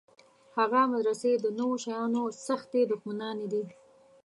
هغه مدرسې د نویو شیانو سختې دښمنانې دي.